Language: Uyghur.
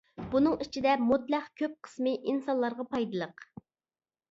بۇنىڭ ئىچىدە مۇتلەق كۆپ قىسمى ئىنسانلارغا پايدىلىق.